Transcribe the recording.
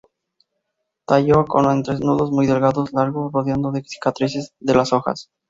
Tallo con entrenudos muy delgados, largo, rodeado de cicatrices de las hojas.